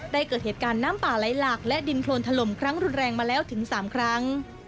เกิดเหตุการณ์น้ำป่าไหลหลากและดินโครนถล่มครั้งรุนแรงมาแล้วถึง๓ครั้ง